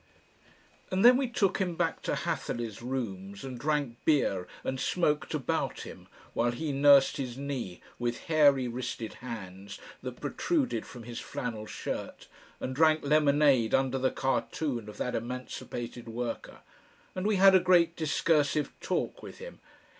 And then we took him back to Hatherleigh's rooms and drank beer and smoked about him while he nursed his knee with hairy wristed hands that protruded from his flannel shirt, and drank lemonade under the cartoon of that emancipated Worker, and we had a great discursive talk with him.